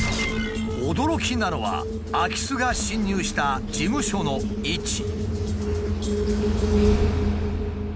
驚きなのは空き巣が侵入した事務所の位置。